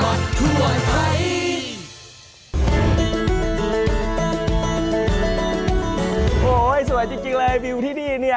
โอ้โหสวยจริงเลยวิวที่นี่เนี่ย